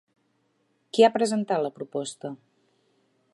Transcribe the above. Qui ha presentat la proposta?